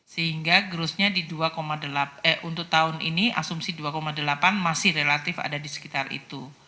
sehingga grossnya untuk tahun ini asumsi dua delapan masih relatif ada di sekitar itu